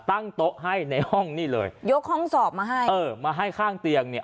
ตั้งโต๊ะให้ในห้องนี่เลยยกห้องสอบมาให้เออมาให้ข้างเตียงเนี่ย